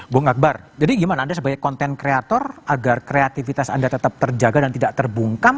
bung akbar jadi gimana anda sebagai konten kreator agar kreativitas anda tetap terjaga dan tidak terbungkam